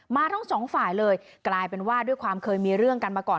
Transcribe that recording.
ทั้งสองฝ่ายเลยกลายเป็นว่าด้วยความเคยมีเรื่องกันมาก่อน